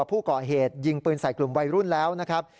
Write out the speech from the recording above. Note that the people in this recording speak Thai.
ผู้ก่อเหตุยิงปืนใส่กลุ่มวัยรุ่นแล้วนะครับ